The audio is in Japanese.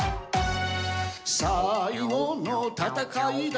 「最後の戦いだ」